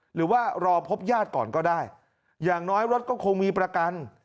หรือว่ารอพบญาติก่อนก็ได้อย่างน้อยรถก็คงมีประกัน